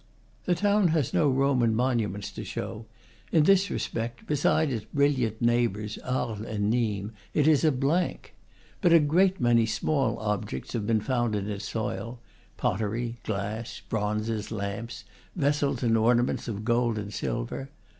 The town has no Roman monuments to show; in this respect, beside its brilliant neighbors, Arles and Nimes, it is a blank. But a great many small objects have been found in its soil, pottery, glass, bronzes, lamps, vessels and ornaments of gold and silver.